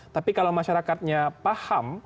tapi kalau masyarakatnya paham